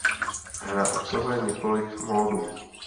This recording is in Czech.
Hra obsahuje několik módů.